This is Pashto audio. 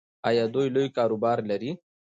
ایا دوی لوی کاروبار لري؟